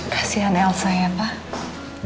kasian elsa ya pak